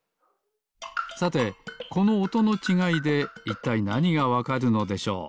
さてこのおとのちがいでいったいなにがわかるのでしょう？